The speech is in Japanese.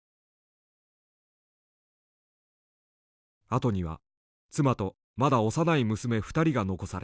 後には妻とまだ幼い娘２人が残された。